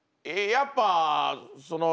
やっぱそのろう